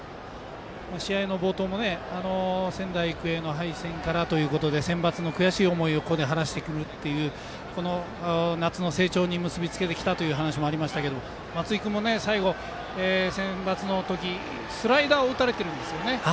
試合の冒頭も仙台育英の敗戦からというセンバツの悔しい思いをここで晴らすというこの夏の成長に結び付けてきたというお話ありましたが松井君も最後、センバツの時スライダーを打たれてるんですよね。